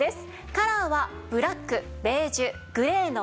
カラーはブラックベージュグレーの３色。